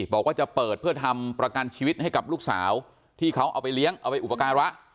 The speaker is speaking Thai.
บอกว่าจะเปิดเพื่อทำประกันชีวิตให้กับลูกสาวที่เขาเอาไปเลี้ยงเอาไปอุปการะ